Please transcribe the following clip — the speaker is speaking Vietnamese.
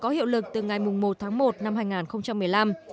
có hiệu lực từ ngày một tháng một năm hai nghìn một mươi năm